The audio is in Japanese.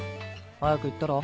早く行ったら？